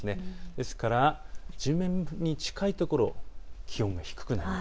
ですから、地面に近いところ、気温が低くなる。